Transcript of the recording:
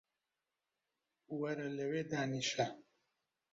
وەرە لەوێ دانیشە